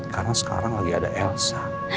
karena sekarang lagi ada elsa